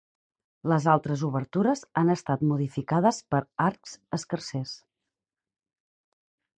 Les altres obertures han estat modificades per arcs escarsers.